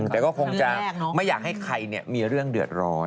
แต่ก็คงจะไม่อยากให้ใครมีเรื่องเดือดร้อน